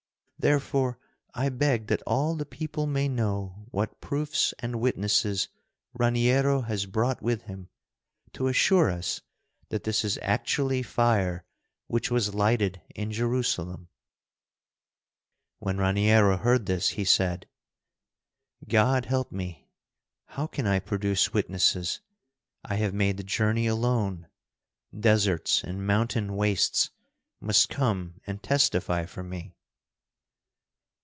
Therefore, I beg that all the people may know what proofs and witnesses Raniero has brought with him, to assure us that this is actually fire which was lighted in Jerusalem." When Raniero heard this he said: "God help me! how can I produce witnesses? I have made the journey alone. Deserts and mountain wastes must come and testify for me."